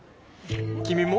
君も？